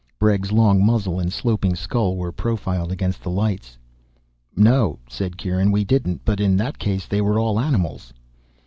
Bregg's long muzzle and sloping skull were profiled against the lights. "No," said Kieran, "we didn't. But in that case, they were all animals."